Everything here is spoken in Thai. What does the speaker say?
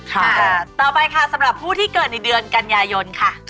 ต่อไปสำหรับผู้ที่เกิดในเดือนกัญญาโยน